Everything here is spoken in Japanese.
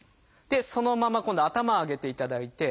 そのまま今度は頭上げていただいて。